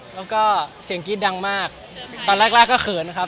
แล้วก็เสียงกรี๊ดดังมากตอนแรกก็เขินนะครับ